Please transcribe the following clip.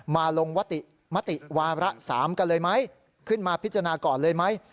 มาลงมติมติวาระ๓กันเลยไหมขึ้นมาพิจารณาก่อนเลยไหม